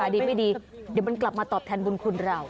ดีไม่ดีเดี๋ยวมันกลับมาตอบแทนบุญคุณเรา